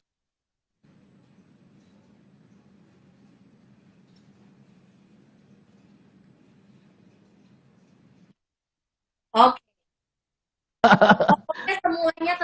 oke semuanya tentang sepedaan langsung bisa lihat di akun instagram memas putut atau di by dua work ya